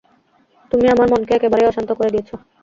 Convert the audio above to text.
তুমি আমার মনকে একেবারেই অশান্ত করে দিয়েছ।